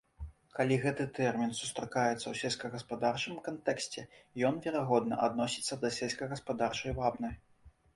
Калі гэты тэрмін сустракаецца ў сельскагаспадарчым кантэксце, ён, верагодна, адносіцца да сельскагаспадарчай вапны.